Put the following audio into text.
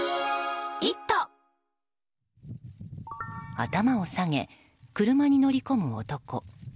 頭を下げ、車に乗り込む男。